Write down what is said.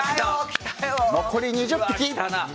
残り２０匹。